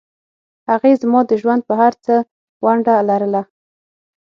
هغې زما د ژوند په هرڅه کې ونډه لرله